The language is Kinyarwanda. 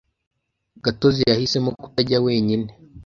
Gatozi yahisemo kutajya wenyine.